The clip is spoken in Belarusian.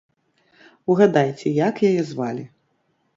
Угадайце, як яе звалі?